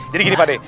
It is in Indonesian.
jadi gini pade